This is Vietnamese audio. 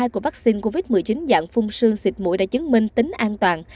của vaccine covid một mươi chín dạng phun sương xịt mũi đã chứng minh tính an toàn